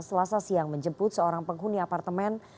selasa siang menjemput seorang penghuni apartemen